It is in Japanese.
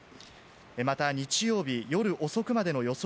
また日曜日、夜遅くまでの予想